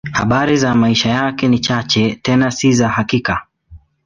Habari za maisha yake ni chache, tena si za hakika.